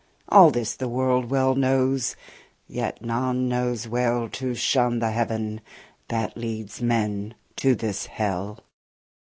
All this the world well knows; yet none knows well To shun the heaven that leads men to this hell.